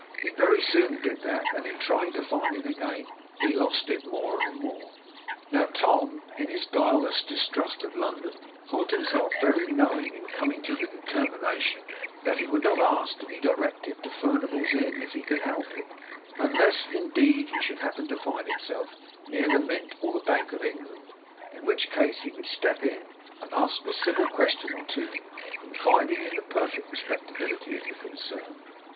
He very soon did that; and in trying to find it again he lost it more and more. Now, Tom, in his guileless distrust of London, thought himself very knowing in coming to the determination that he would not ask to be directed to Furnival's Inn, if he could help it; unless, indeed, he should happen to find himself near the Mint, or the Bank of England; in which case he would step in, and ask a civil question or two, confiding in the perfect respectability of the concern.